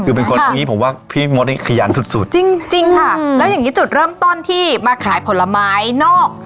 คือเป็นคนอย่างงี้ผมว่าพี่มดนี่ขยันสุดสุดจริงจริงค่ะแล้วอย่างงี้จุดเริ่มต้นที่มาขายผลไม้นอก